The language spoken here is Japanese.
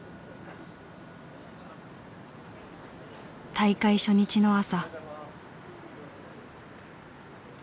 大会初日の朝。